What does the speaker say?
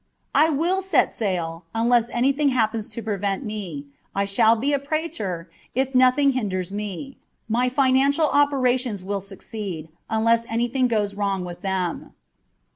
I will set sail unless anything happens to prevent me, I shall CH.XTT.] OF PEACE OF MIND. 279 be praetor, if nothing hinders me, my financial operations will succeed, unless anything goes wrong with them.